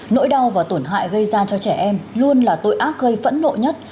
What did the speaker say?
nỗi đau và tổn hại gây ra cho trẻ em luôn là tội ác gây phẫn nộ nhất